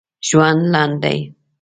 ژوند لنډ دی.